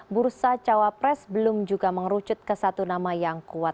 bursa cawapres belum juga mengerucut ke satu nama yang kuat